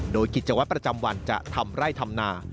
โดยกิจวัตรประจำวันจะทำไร่ทำนา